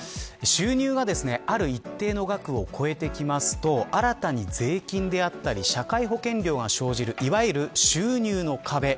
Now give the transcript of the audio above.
収入がある一定の枠を超えると新たに税金であったり社会保険料が生じるいわゆる、収入の壁。